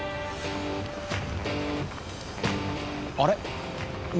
あれ？